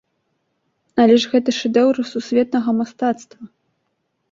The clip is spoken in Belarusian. Але гэта ж шэдэўры сусветнага мастацтва!